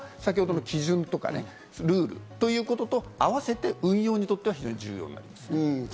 それが先ほどの基準とかルールということと合わせて、運用にとっては重要になります。